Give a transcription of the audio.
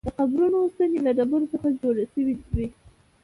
د قبرونو ستنې له ډبرو څخه جوړې شوې وې.